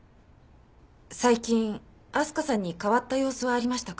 最近明日香さんに変わった様子はありましたか？